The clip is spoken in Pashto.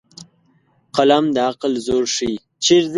قلم د عقل زور ښيي